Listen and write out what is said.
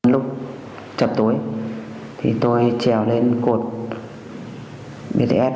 lúc chập tối thì tôi trèo lên cột bts